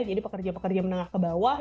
jadi pekerja pekerja menengah ke bawah